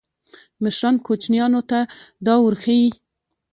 مشران کوچنیانو ته دا ورښيي.